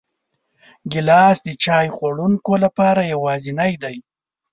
ګیلاس د چای خوړونکو لپاره یوازینی دی.